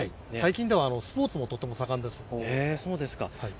最近ではスポーツもとても盛んです。